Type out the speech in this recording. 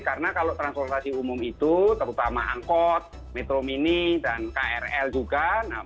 karena kalau transportasi umum itu terutama angkot mitro mini dan krl juga